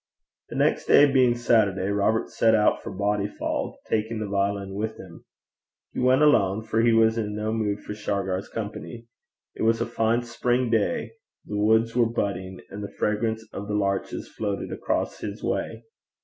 The next day being Saturday, Robert set out for Bodyfauld, taking the violin with him. He went alone, for he was in no mood for Shargar's company. It was a fine spring day, the woods were budding, and the fragrance of the larches floated across his way.